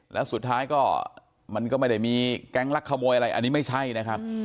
แล้วสุดท้ายก็มันก็ไม่ได้มีแก๊งลักขโมยอะไรอันนี้ไม่ใช่นะครับ